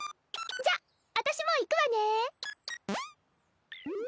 じゃああたしもう行くわね。